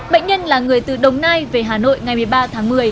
bệnh nhân là người từ đồng nai về hà nội ngày một mươi ba tháng một mươi